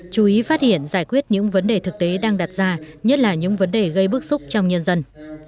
chú ý phát hiện giải quyết những vấn đề thực tế đang đặt ra nhất là những vấn đề gây bức xúc trong nhân dân